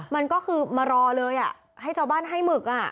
มันก็คือมารอเลยให้ชาวบ้านให้หมึก